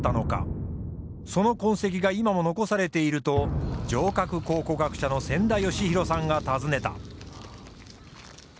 その痕跡が今も残されていると城郭考古学者の千田嘉博さんが訪ねた。